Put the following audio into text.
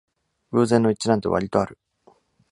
偶然の一致なんてわりとある